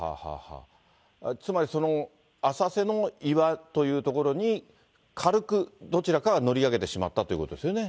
つまり浅瀬の岩という所に、軽くどちらかが乗り上げてしまったということですよね。